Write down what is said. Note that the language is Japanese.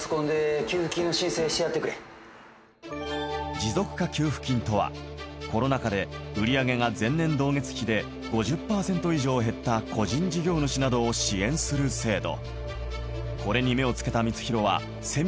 持続化給付金とはコロナ禍で売り上げが前年同月比で５０％以上減った個人事業主などを支援する制度